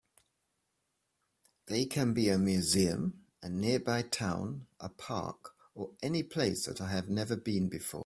They can be a museum, a nearby town, a park, or any place that I have never been before.